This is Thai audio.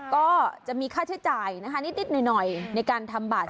ก็จะมีค่าใช้จ่ายนะคะนิดหน่อยในการทำบัตร